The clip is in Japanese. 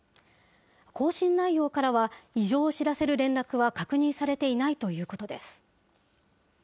交信内容からは、異常を知らせる連絡は確認されていないということです。